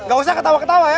gak usah ketawa ketawa ya